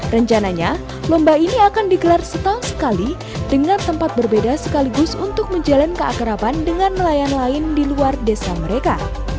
rencananya lomba ini akan digelar setahun sekali dengan tempat berbeda sekaligus untuk menjalin keakrapan dengan nelayan lain di luar desa mereka